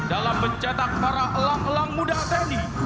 dalam mencetak para elang elang muda tni